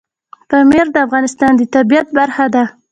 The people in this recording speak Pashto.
پامیر د افغانستان د طبیعت برخه ده.